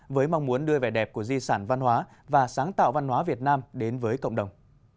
với mong muốn đưa vẻ đẹp của di sản văn hóa và sáng tạo văn hóa việt nam đến với cộng đồng